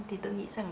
thì tôi nghĩ rằng